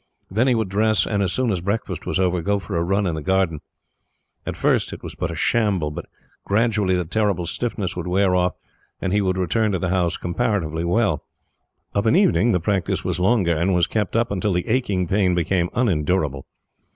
Then he would dress and, as soon as breakfast was over, go for a run in the garden. At first it was but a shamble, but gradually the terrible stiffness would wear off, and he would return to the house comparatively well. Of an evening the practice was longer, and was kept up until the aching pain became unendurable.